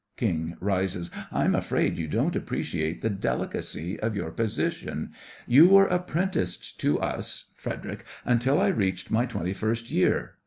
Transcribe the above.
KING: (rises) I'm afraid you don't appreciate the delicacy of your position: You were apprenticed to us— FREDERIC: Until I reached my twenty first year.